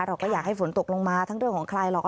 เราก็อยากให้ฝนตกลงมาทั้งด้วยของคลายหลอก